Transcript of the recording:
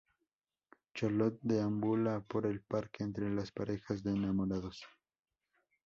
Charlot deambula por el parque entre las parejas de enamorados.